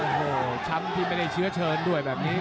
โอ้โหช้ำที่ไม่ได้เชื้อเชิญด้วยแบบนี้